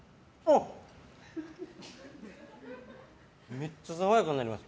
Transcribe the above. めっちゃ爽やかになります。